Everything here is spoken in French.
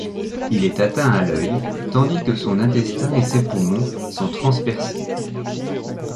Il est atteint à l'œil, tandis que son intestin et ses poumons sont transpercés.